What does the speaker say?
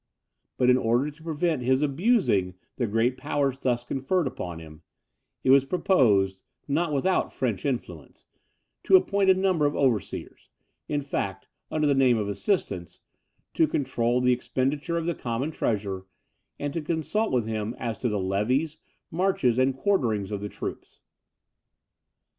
But in order to prevent his abusing the great powers thus conferred upon him, it was proposed, not without French influence, to appoint a number of overseers, in fact, under the name of assistants, to control the expenditure of the common treasure, and to consult with him as to the levies, marches, and quarterings of the troops.